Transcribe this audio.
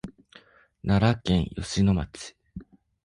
奈良県吉野町